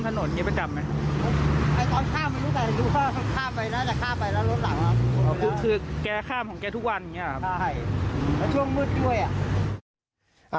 ใช่แล้วช่วงมืดด้วย